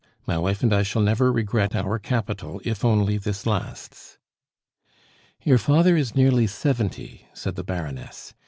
My wife and I shall never regret our capital if only this lasts " "Your father is nearly seventy," said the Baroness.